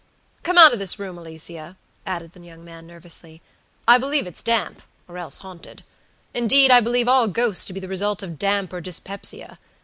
"Come out of this room, Alicia," added the young man, nervously; "I believe it's damp, or else haunted. Indeed, I believe all ghosts to be the result of damp or dyspepsia.